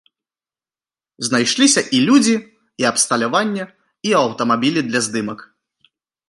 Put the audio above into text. Знайшліся і людзі, і абсталяванне, і аўтамабілі для здымак.